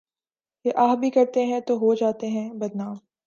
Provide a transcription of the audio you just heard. ہم آہ بھی کرتے ہیں تو ہو جاتے ہیں بدنام۔